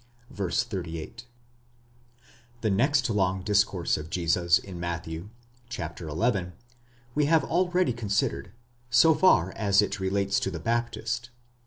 (v. 38).° The next long discourse of Jesus in Matthew (chap. xi.) we have already considered, so far as it relates to the Baptist.